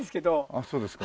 ああそうですか。